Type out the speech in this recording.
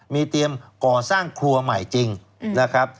มีเตรียมก่อสร้างครัวใหม่จริงนะครับ